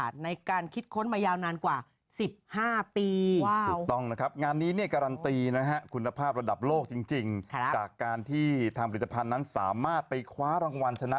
แต่ผมว่าคุณป๊อปไม่ใช่คนอย่างนั้นนะ